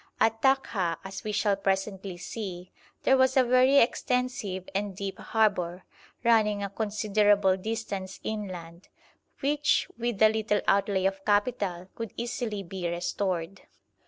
At Takha, as we shall presently see, there was a very extensive and deep harbour, running a considerable distance inland, which with a little outlay of capital could easily be restored.